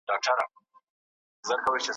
استازي به په ګډه همکاري کوي.